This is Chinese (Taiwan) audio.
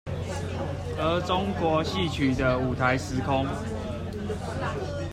而中國戲曲的舞臺時空